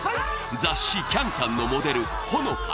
雑誌「ＣａｎＣａｍ」のモデルほのか。